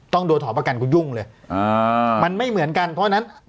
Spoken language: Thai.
โดนขอประกันคุณยุ่งเลยอ่ามันไม่เหมือนกันเพราะฉะนั้น